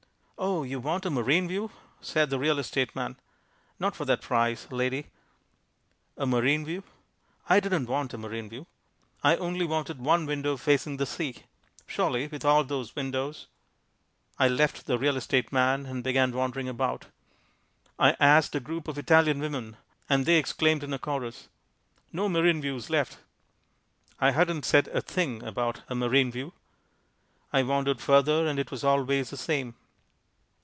"Oh, you want a marine view," said the real estate man. "Not for that price, lady." A "marine view." I didn't want a marine view; I only wanted one window facing the sea. Surely with all those windows . I left the real estate man and began wandering about. I asked a group of Italian women and they exclaimed in a chorus "No marine views left." I hadn't said a thing about a "marine view." I wandered further and it was always the same.